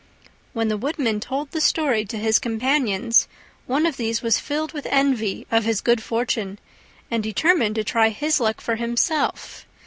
When the Woodman told the story to his companions, one of these was filled with envy of his good fortune and determined to try his luck for himself.